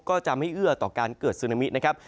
ก็จะไม่เอื้อต่อการเกิดซึนามินะครับ